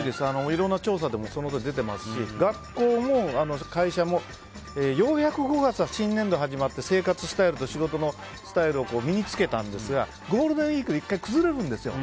いろんな調査でも出てますし学校や会社もようやく５月は新年度が始まって生活スタイルと仕事のスタイルを身に着けたんですけどゴールデンウィークで１回崩れるんですよ。